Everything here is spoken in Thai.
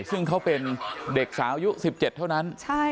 ซึ่งเขาเป็นเด็กสาวอายุ๑๗เท่านั้น